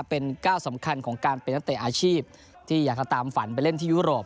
เป็นก้าวสำคัญของการเป็นนักเตะอาชีพที่อยากจะตามฝันไปเล่นที่ยุโรป